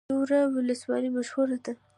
تیوره ولسوالۍ مشهوره ده؟